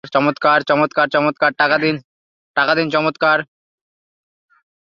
Short circuit প্রক্রিয়া ব্যবহার করে আর্ক ওয়েল্ডিং করা হয়ে থাকে।